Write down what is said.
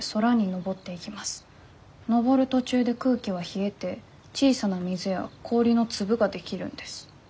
のぼる途中で空気は冷えて小さな水や氷のつぶができるんです」。